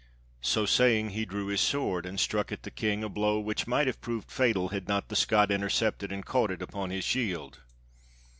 So saying, he drew his sword, and struck at the King a blow which might have proved fatal, had not the Scot intercepted and caught it upon his shield.